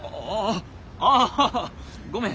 あああごめん。